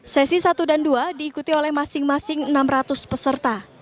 sesi satu dan dua diikuti oleh masing masing enam ratus peserta